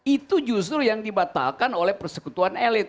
itu justru yang dibatalkan oleh persekutuan elit